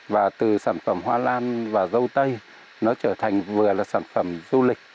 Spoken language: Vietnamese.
và từ sản phẩm hoa lan và dâu tây nó trở thành vừa là sản phẩm du lịch